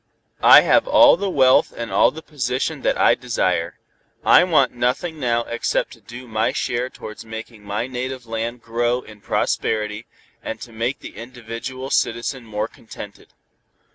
"I have all the wealth and all the position that I desire. I want nothing now except to do my share towards making my native land grow in prosperity, and to make the individual citizen more contented.